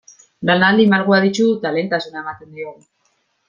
Lanaldi malguak ditugu eta lehentasuna ematen diogu.